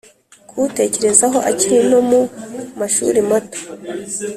kuwutekerezaho akiri no mu mashurimato